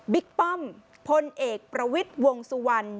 ป้อมพลเอกประวิทย์วงสุวรรณ